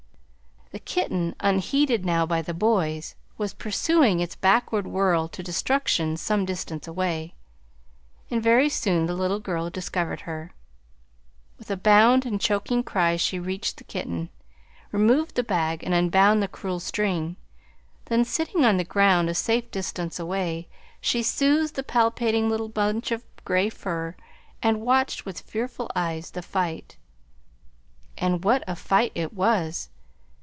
The kitten, unheeded now by the boys, was pursuing its backward whirl to destruction some distance away, and very soon the little girl discovered her. With a bound and a choking cry she reached the kitten, removed the bag and unbound the cruel string. Then, sitting on the ground, a safe distance away, she soothed the palpitating little bunch of gray fur, and watched with fearful eyes the fight. And what a fight it was!